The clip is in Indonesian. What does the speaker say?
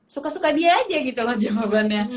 suka suka dia aja gitu loh jawabannya